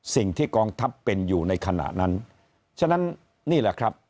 สิ่งที่กองทัพเป็นอยู่ในขณะนั้นฉะนั้นนี่แหละครับ